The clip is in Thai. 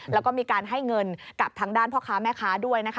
แล้วก็มีการให้เงินกับทางด้านพ่อค้าแม่ค้าด้วยนะคะ